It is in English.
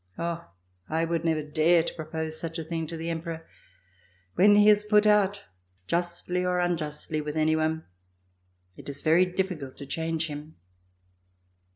^" "Oh! I would never dare to propose such a thing to the Emperor. When he is put out justly or unjustly with any one, it is very difficult to change him."